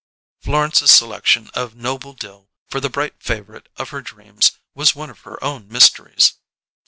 Florence's selection of Noble Dill for the bright favourite of her dreams was one of her own mysteries.